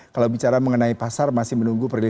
kalau bicara mengenai pasar masih menunggu